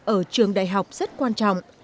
ở trường đại học rất quan trọng